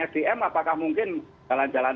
sdm apakah mungkin jalan jalan